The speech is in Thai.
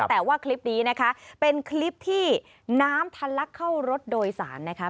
แต่ว่าคลิปนี้นะคะเป็นคลิปที่น้ำทันลักเข้ารถโดยสารนะคะ